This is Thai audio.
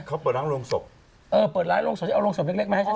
เขาเปิดร้านลงศพ